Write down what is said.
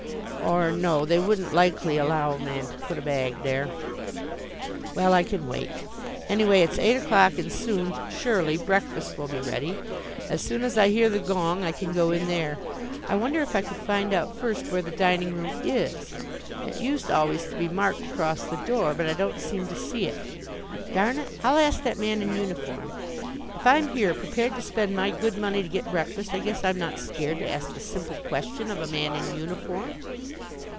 Or no, they wouldn't likely allow a man to put a bag there. Well, I can wait. Anyway, it's eight o'clock and soon, surely, breakfast will be ready. As soon as I hear the gong I can go in there. I wonder if I could find out first where the dining room is. It used always to be marked across the door, but I don't seem to see it. Darn it, I'll ask that man in uniform. If I'm here prepared to spend my good money to get breakfast I guess I'm not scared to ask a simple question of a man in uniform.